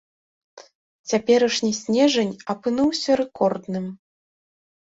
Цяперашні снежань апынуўся рэкордным.